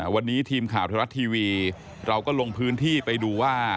วันนี้ทีมข่าวไทยรัฐทีวีเราก็ลงพื้นที่ไปดูว่า